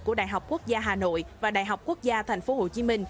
của đại học quốc gia hà nội và đại học quốc gia tp hcm